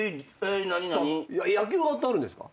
野球顔ってあるんですか？